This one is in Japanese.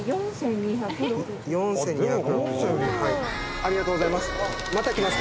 ありがとうございます。